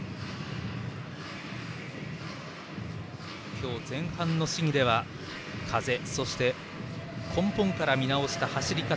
今日、前半の試技では風、そして根本から見直した走り方。